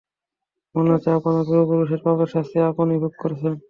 মনে হচ্ছে আপনার পূর্ব-পূরুষের পাপের শাস্তি আপনি ভোগ করছেন।